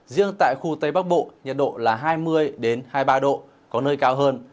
riêng tại khu tây bắc bộ nhiệt độ là hai mươi hai mươi ba độ có nơi cao hơn